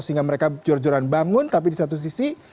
sehingga mereka jor joran bangun tapi di satu sisi